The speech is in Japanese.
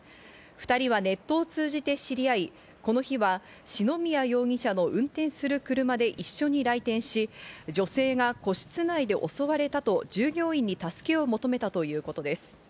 ２人はネットを通じて知り合い、この日は篠宮容疑者の運転する車で一緒に来店し、女性が個室内で襲われたと従業員に助けを求めたということです。